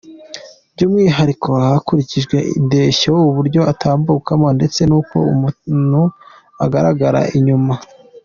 By’umwiharko hakurikijwe indeshyo, uburyo utambukamo ndetse n’uko umuntu agaragara inyuma.